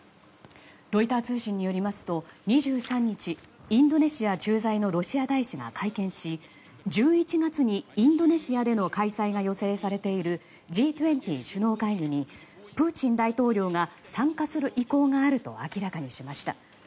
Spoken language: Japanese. ロイター通信によりますと２３日インドネシア駐在のロシア大使が会見し１１月にインドネシアでの開催が予定されているＧ２０首脳会議にプーチン大統領が参加する意向があると明らかにしました。